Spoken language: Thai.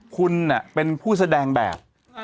คุณเป็นผู้แสดงแบบ